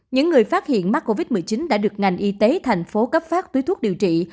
những người phát hiện mắc covid một mươi chín đã được ngành y tế thành phố cấp phát túi thuốc điều trị